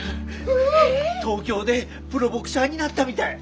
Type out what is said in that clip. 東京でプロボクサーになったみたい！